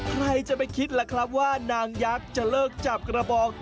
ใครจะไปคิดล่ะครับว่านางยักษ์จะเลิกจับกระบอง